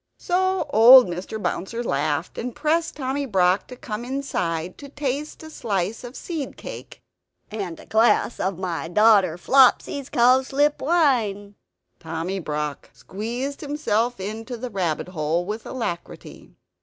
So old Mr. Bouncer laughed; and pressed Tommy Brock to come inside, to taste a slice of seed cake and "a glass of my daughter Flopsy's cowslip wine." Tommy Brock squeezed himself into the rabbit hole with alacrity.